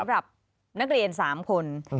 สำหรับนักเรียน๓คน